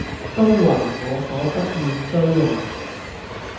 都爲我所不願追懷，